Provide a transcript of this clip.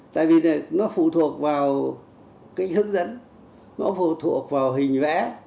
tại vì nó phụ thuộc vào cái hướng dẫn nó phụ thuộc vào hình vẽ